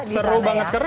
seru banget keren